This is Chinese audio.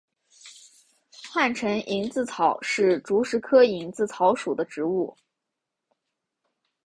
汉城蝇子草是石竹科蝇子草属的植物。